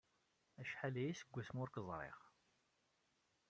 Acḥal aya seg wasmi ur k-ẓriɣ.